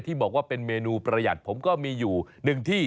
บอกว่าเป็นเมนูประหยัดผมก็มีอยู่หนึ่งที่